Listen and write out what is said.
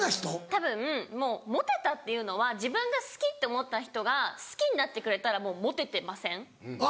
たぶんもうモテたっていうのは自分が好きって思った人が好きになってくれたらもうモテてません？